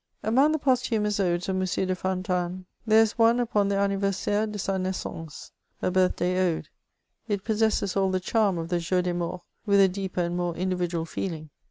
Among the posthumous odes of M. de Fontanes, there is one upon the Anniversaire de sa Naissance (a birthday ode) ; it possesses all the charm of the Jour des Morts, with a deeper and more individual feeling.